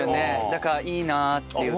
だからいいなっていうか。